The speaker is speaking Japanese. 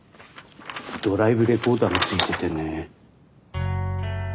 ドライブレコーダーがついててね。